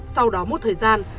sau đó một thời gian